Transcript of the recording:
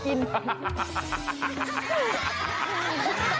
เรื่องของเรื่อง